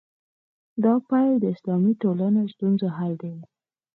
دا پیل د اسلامي ټولنو ستونزو حل دی.